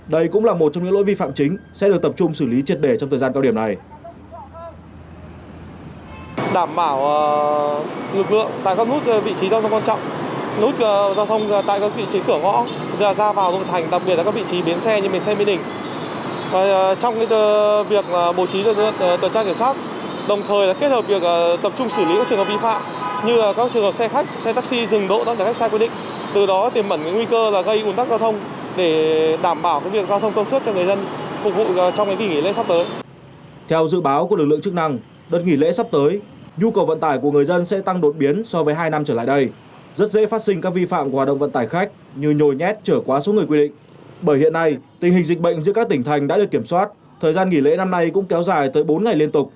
đây cũng là một trong những lỗi vi phạm chính sẽ được tập trung xử lý triệt đề trong thời gian cao điểm này